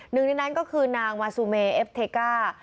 หนึ่งในนั้นก็คือนางมาซูเมเอฟเทก้า